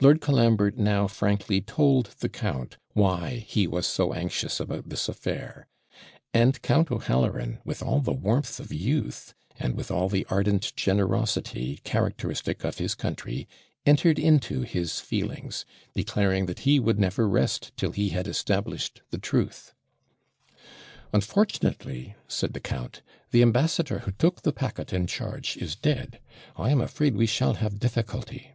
Lord Colambre now frankly told the count why he was so anxious about this affair; and Count O'Halloran, with all the warmth of youth, and with all the ardent generosity characteristic of his country, entered into his feelings, declaring that he would never rest till he had established the truth. 'Unfortunately,' said the count, 'the ambassador who took the packet in charge is dead. I am afraid we shall have difficulty.'